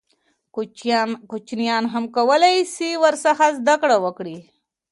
کوچنیان هم کولای سي ورڅخه زده کړه وکړي.